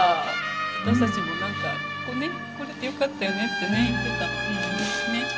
私たちも何かね来れてよかったよねって言ってたの。ね。